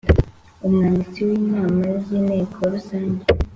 Umwanditsi w inama z Inteko Rusange